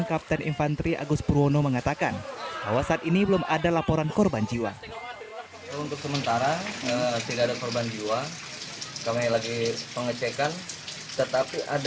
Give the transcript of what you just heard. kapten infanteri agus purwono mengatakan bahwa saat ini belum ada laporan korban jiwa